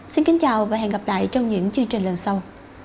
xin kính chào và hẹn gặp lại trong những chương trình lần sau